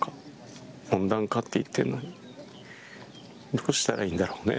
どうしたらいいんだろうね。